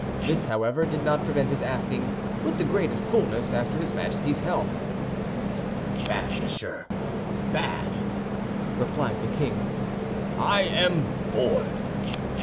This, however, did not prevent his asking, with the greatest coolness, after his Majesty's health. "Bad, monsieur, bad!" replied the king; "I am bored."